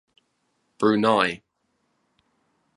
Brunei.